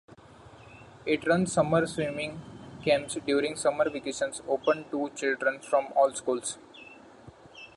It runs summer swimming camps during summer vacations, open to children from all schools.